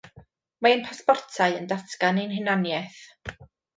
Mae ein pasbortau yn datgan ein hunaniaeth.